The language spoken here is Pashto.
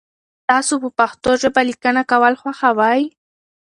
تاسو په پښتو ژبه لیکنه کول خوښوئ؟